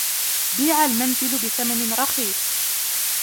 بيع المنزل بثمن رخيص.